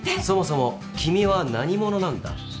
そもそも君は何者なんだ？